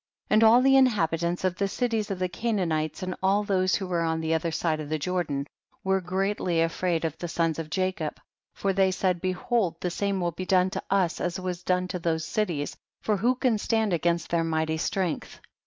10. And all the inhabitants of the cities of the Canaanites, and all those who were on the other side of the Jordan, were greatly afraid of the sons of Jacob, for they said, behold the same will be done to us as was done to those cities, for who can stand against their mighty strength